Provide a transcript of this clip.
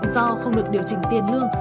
do không được điều chỉnh tiền lương